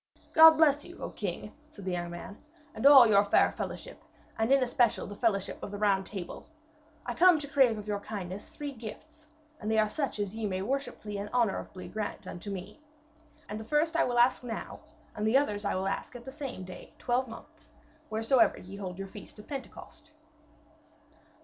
'God bless you, O king!' said the young man, 'and all your fair fellowship, and in especial the fellowship of the Round Table. I come to crave of your kindness three gifts, and they are such as ye may worshipfully and honourably grant unto me. And the first I will ask now, and the others will I ask at the same day twelvemonths, wheresoever ye hold your feast of Pentecost.'